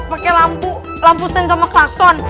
pake lampu sen sama klekson